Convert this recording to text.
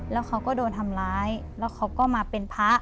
แล้วเขาก็โดนทำร้ายแล้วเขาก็มาเป็นพระ